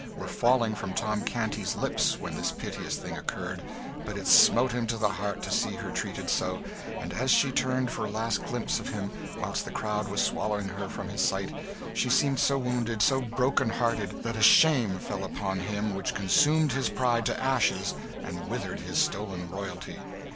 were falling from Tom Canty's lips when this piteous thing occurred; but it smote him to the heart to see her treated so; and as she turned for a last glimpse of him, whilst the crowd was swallowing her from his sight, she seemed so wounded, so broken hearted, that a shame fell upon him which consumed his pride to ashes, and withered his stolen royalty.